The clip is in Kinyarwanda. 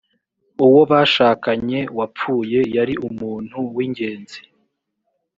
uwo bashakanye wapfuye yari umuntu wingenzi.